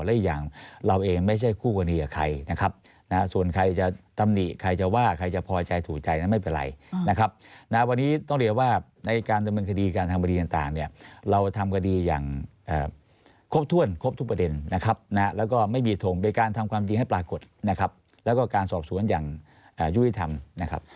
และอีกอย่างเราเองไม่ใช่คู่กรณีกับใครนะครับนะส่วนใครจะตำหนิใครจะว่าใครจะพอใจถูกใจนั้นไม่เป็นไรนะครับนะวันนี้ต้องเรียกว่าในการดำเนินคดีการทำคดีต่างเนี่ยเราทำคดีอย่างครบถ้วนครบทุกประเด็นนะครับนะแล้วก็ไม่มีทงเป็นการทำความดีให้ปรากฏนะครับแล้วก็การสอบสวนอย่างยุติธรรมนะครับ